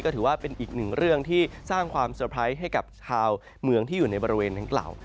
ถือว่าเป็นอีกหนึ่งเรื่องที่สร้างความเซอร์ไพรส์ให้กับชาวเมืองที่อยู่ในบริเวณดังกล่าว